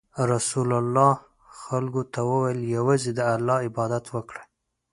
رسول الله خلکو ته وویل: یوازې د الله عبادت وکړئ.